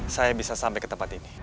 saya bisa sampai ke tempat ini